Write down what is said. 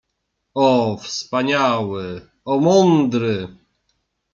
— O, wspaniały, o, mądry!